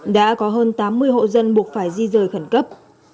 đã có hơn tám mươi hộ dân buộc phải di rời khỏi đường băng